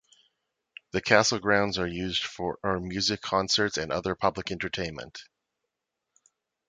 The castle grounds are used for music concerts and other public entertainment.